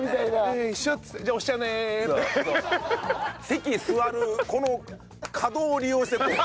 席座るこの可動を利用してこう。